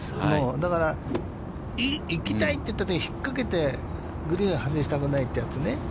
だから、行きたいといったときにひっかけて、グリーンを外したくないというやつね。